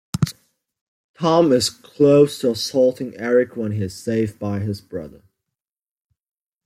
Tomme is close to assaulting Erik when he is saved by his brother.